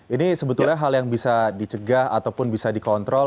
ini sebetulnya hal yang bisa dicegah ataupun bisa dikontrol